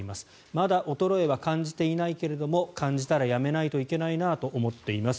まだ衰えは感じていないけども感じたら辞めないといけないなと思っています。